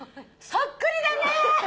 そっくりだね！